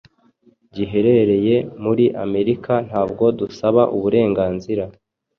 giherereye muri Amerika ntabwo dusaba uburenganzira